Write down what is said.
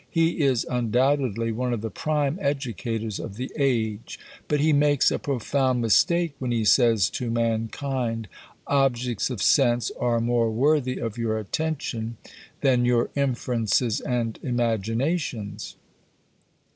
He is undoubtedly one of the prime educators of the age, but he makes a profound mistake when he says to Mankind: objects of sense are more worthy of your attention than your inferences and imaginations.